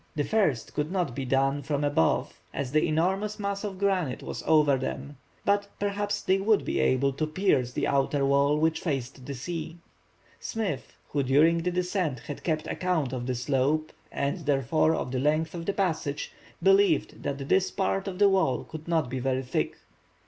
The first could not be done from above as the enormous mass of granite was over them; but, perhaps, they would be able to pierce the outer wall which faced the sea. Smith, who during the descent had kept account of the slope, and therefore of the length of the passage, believed that this part of the wall could not be very thick.